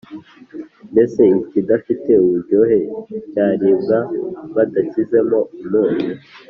mbese ikidafite uburyohe cyaribwa badashyizemo umunyu’